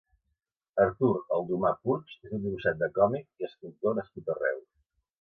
Artur Aldomà Puig és un dibuixant de còmics i escultor nascut a Reus.